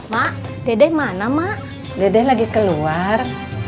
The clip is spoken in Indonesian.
mak dedek mana mak dedek lagi keluar